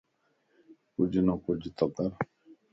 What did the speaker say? ڪچھه نه ڪچهه ته ڪر